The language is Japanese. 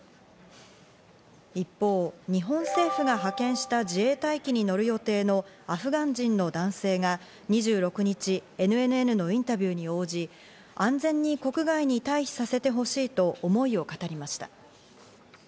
一方、日本政府が派遣した自衛隊機に乗る予定のアフガン人の男性が２６日、ＮＮＮのインタビューに応じ、安全に国外に退避させてほしいと思いを語りました。